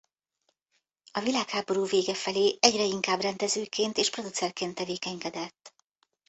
A világháború vége felé egyre inkább rendezőként és producerként tevékenykedett.